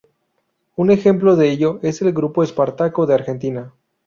Un ejemplo de ello, es el Grupo Espartaco de Argentina.